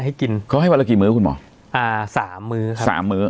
ให้กินเขาให้วันละกี่มื้อคุณหมออ่าสามมื้อครับสามมื้อ